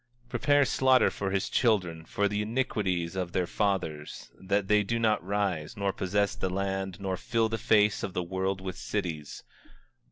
24:21 Prepare slaughter for his children for the iniquities of their fathers, that they do not rise, nor possess the land, nor fill the face of the world with cities.